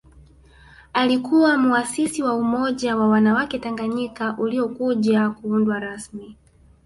Alikuwa muasisi wa Umoja wa wanawake Tanganyika uliokuja kuundwa rasmi